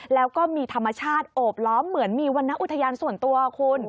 แล้วก็มีธรรมชาติโอบล้อมเหมือนมีวรรณอุทยานส่วนตัวคุณ